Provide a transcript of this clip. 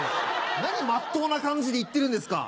何まっとうな感じで言ってるんですか。